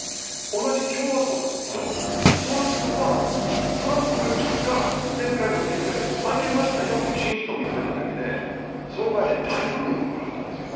同じ共和党なんですけど、その人は、トランプが前回の選挙で負けましたよという真実を認めただけで、その場で大ブーイングをくらったんですよ。